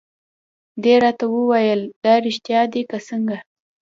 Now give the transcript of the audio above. دې راته وویل: دا رېښتیا دي که څنګه؟